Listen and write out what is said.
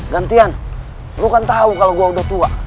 gantian lu kan tahu kalau gua udah tua